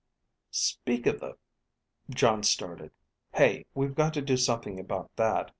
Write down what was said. (Speak of the ... Jon started. _Hey, we've got to do something about that.